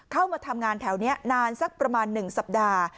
เข้ามาทำงานแถวนี้นานสักประมาณ๑สัปดาห์